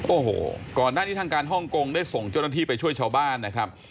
โอ้โหก่อนหน้านี้ทางการฮ่องกงได้ส่งเจ้าหน้าที่ไปช่วยชาวบ้านนะครับ